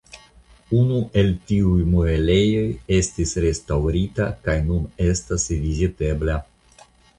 Unu el tiuj muelejoj estis restaŭrita kaj nun estas vizitebla.